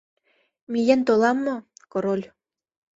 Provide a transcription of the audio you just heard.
Миен толам мо, Король?